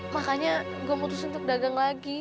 makanya gue putus untuk dagang lagi